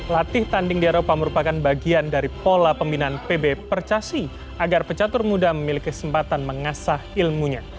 latih tanding di eropa merupakan bagian dari pola pembinaan pb percasi agar pecatur muda memiliki kesempatan mengasah ilmunya